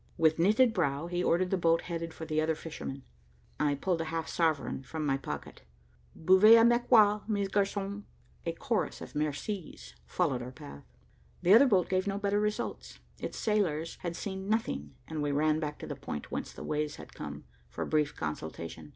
With knitted brow, he ordered the boat headed for the other fishermen. I pulled a half sovereign from my pocket. "Buvez avec moi, mes garçons," I cried, and flung the coin into the fishing boat. A chorus of "Merci's" followed our path. The other boat gave no better results. Its sailors had seen nothing, and we ran back to the point whence the waves had come, for a brief consultation.